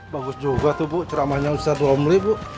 bagus juga tuh bu ceramahnya ustadz omli bu